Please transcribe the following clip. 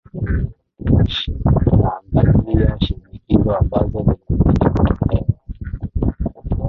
tunaangazia shinikizo ambazo zinazidi kutolewa